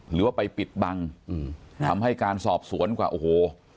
หรือว่าไปปิดบังอืมทำให้การสอบสวนกว่าโอ้โห